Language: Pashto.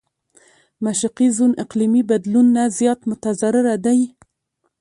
مشرقي زون اقليمي بدلون نه زيات متضرره دی.